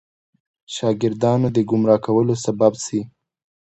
شاګردانو د ګمراه کولو سبب شي.